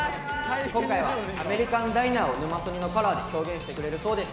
今回はアメリカンダイナーを「ヌマソニ」のカラーで表現してくれるそうです。